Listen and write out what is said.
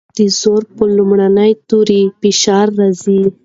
د زور پر لومړي توري فشار راځي.